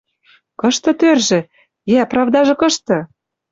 Кышты тӧржӹ? Йӓ, правдажы кышты?